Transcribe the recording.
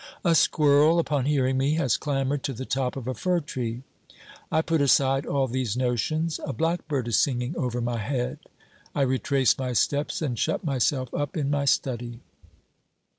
A squirrel, upon hearing me, has clambered to the top of a fir tree. I put aside all these notions ; a blackbird is singing over my head. I retrace my steps and shut myself up in my study.